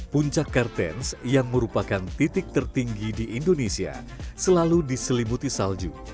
puncak kartens yang merupakan titik tertinggi di indonesia selalu diselimuti salju